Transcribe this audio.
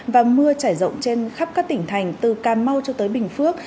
và mưa trải rộng trên khắp các tỉnh thành từ cà mau cho tới bình phước